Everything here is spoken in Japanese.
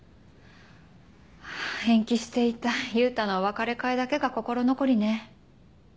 延期していた優太のお別れ会だけが心残りね。